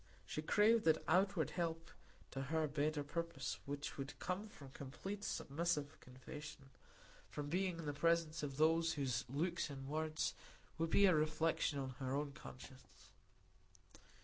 She craved that outward help to her better purpose which would come from complete, submissive confession; from being in the presence of those whose looks and words would be a reflection of her own conscience.